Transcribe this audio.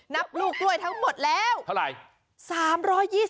นับลูกกล้วยทั้งหมดแล้วเท่าไหร่